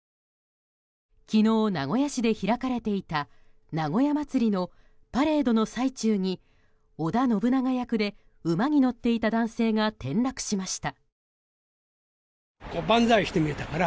昨日、名古屋市で開かれていた名古屋まつりのパレードの最中に織田信長役で馬に乗っていた男性が転落しました。